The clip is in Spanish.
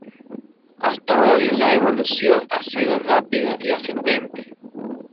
Hasta hoy la evolución ha sido rápida y ascendente.